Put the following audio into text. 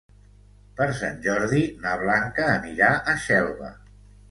Per Sant Jordi na Blanca anirà a Xelva.